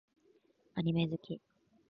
アニメ好き